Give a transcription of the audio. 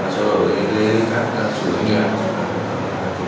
xin tiền như thế nào